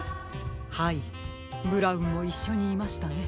はいブラウンもいっしょにいましたね。